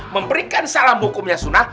memberikan salam hukumnya sunnah